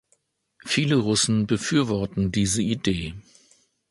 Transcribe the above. Viele Russen befürworten diese Idee.